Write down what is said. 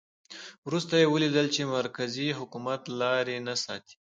وروسته یې ولیدل چې مرکزي حکومت لاري نه ساتي.